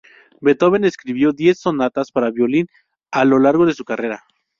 Beethoven escribió diez sonatas para violín a lo largo de su carrera.